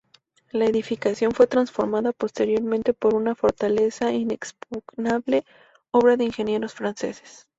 La edificación fue transformada posteriormente por una fortaleza inexpugnable, obra de ingenieros franceses.